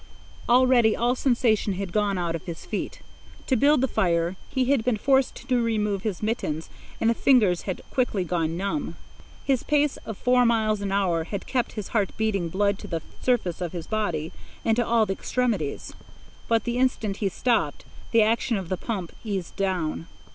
Already all sensation had gone out of his feet. To build the fire he had been forced to remove his mittens, and the fingers had quickly gone numb. His pace of four miles an hour had kept his heart pumping blood to the surface of his body and to all the extremities. But the instant he stopped, the action of the pump eased down.